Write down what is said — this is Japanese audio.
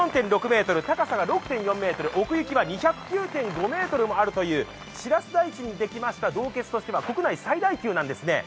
高さが６．４ｍ、奥行きが２０９．５ｍとシラス台地にできました洞穴としては世界最大級なんですね。